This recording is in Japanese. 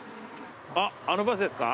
あっあのバスですか？